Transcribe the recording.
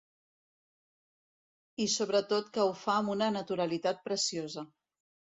I sobretot que ho fa amb una naturalitat preciosa.